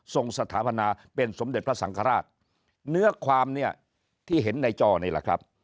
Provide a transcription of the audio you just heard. สถาปนาเป็นสมเด็จพระสังฆราชเนื้อความเนี่ยที่เห็นในจอนี่แหละครับ